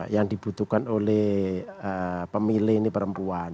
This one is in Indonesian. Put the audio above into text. yang dibutuhkan oleh pemilih ini perempuan